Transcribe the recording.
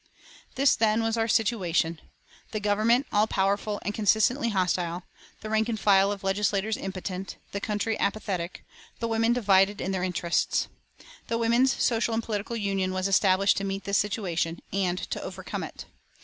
This, then, was our situation: the Government all powerful and consistently hostile; the rank and file of legislators impotent; the country apathetic; the women divided in their interests. The Women's Social and Political Union was established to meet this situation, and to overcome it.